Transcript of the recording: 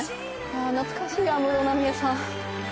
ああ懐かしい安室奈美恵さん